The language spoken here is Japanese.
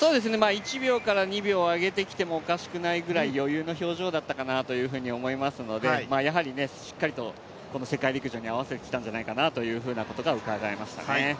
１秒から２秒上げてきてもおかしくないくらい余裕の表情だったなと思いますのでやはりしっかりと世界陸上に合わせてきたんじゃないかなということがうかがえましたね。